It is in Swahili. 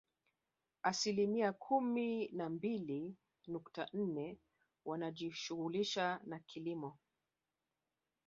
Asilimia kumi na mbili nukta nne wanajishughulisha na kilimo